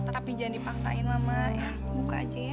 tetapi jangan dipaksain lama ya buka aja ya